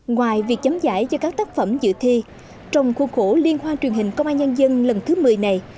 ngoài việc chấm giải cho các tác phẩm dự thi trong khuôn khổ liên hoan truyền hình công an nhân dân lần thứ một mươi này